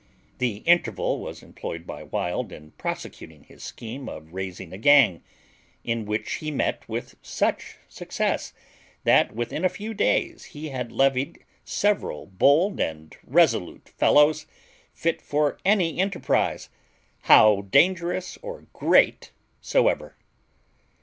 The interval was employed by Wild in prosecuting his scheme of raising a gang, in which he met with such success, that within a few days he had levied several bold and resolute fellows, fit for any enterprize, how dangerous or great soever.